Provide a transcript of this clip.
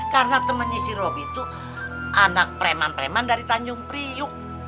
karena temennya si robi tuh anak preman preman dari tanjung priuk